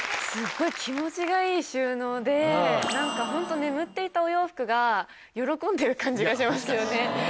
すっごい気持ちがいい収納で何かホント眠っていたお洋服が喜んでる感じがしますよね。